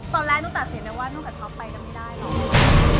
ตอนแรกหนูตัดสินว่าหนูกับเขาไปกันไม่ได้หรอก